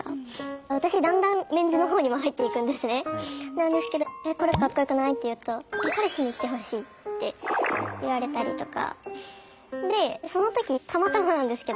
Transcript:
なんですけど「これかっこよくない？」って言うと「彼氏に着てほしい！」って言われたりとか。